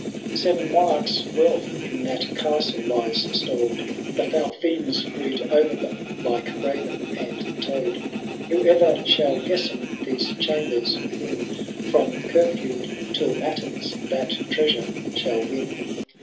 Seven monarchs* wealth in that castle lies stow*d. The foul fiends brood o*er them like raven and toad. ' Whoever shall guesten these chambers within. From curfew till matins^ that treasure shall win.